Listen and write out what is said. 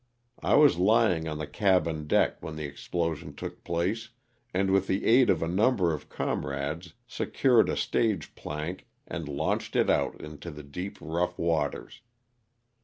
I was lying on the cabin deck when the explosion took place, and with the aid of a number of comrades secured a stage plank and launched it out into the deep, rough waters.